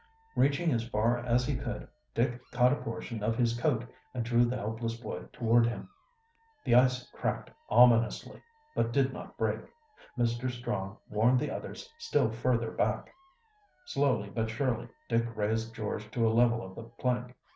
Reaching as far as he could, Dick caught a portion of his coat and drew the helpless boy toward him. The ice cracked ominously, but did not break. Mr. Strong warned the others still further back. Slowly but surely Dick raised George to a level of the plank.